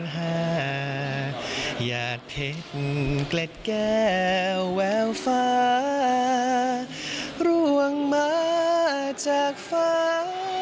แหววฟ้าร่วงมาจากฟ้า